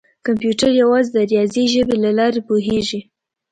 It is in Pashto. کمپیوټر یوازې د ریاضي ژبې له لارې پوهېږي.